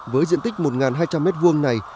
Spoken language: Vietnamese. với diện tích một hai trăm linh m hai này